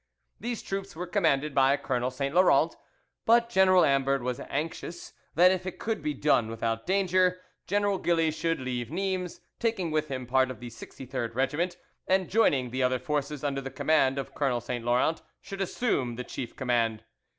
These troops were commanded by Colonel Saint Laurent, but General Ambert was anxious that if it could be done without danger, General Gilly should leave Nimes, taking with him part of the 63rd Regiment, and joining the other forces under the command of Colonel Saint Laurent, should assume the chief command.